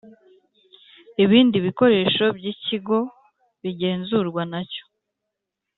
ibindi bikoresho by’Ikigo bigenzurwa na cyo